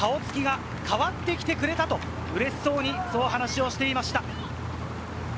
顔つきが変わってきてくれたと、嬉しそうにそう話をしていました。